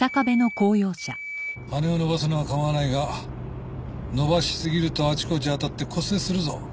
羽を伸ばすのは構わないが伸ばしすぎるとあちこち当たって骨折するぞ。